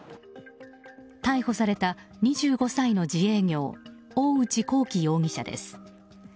逮捕された２５歳の自営業大内航輝容疑者です。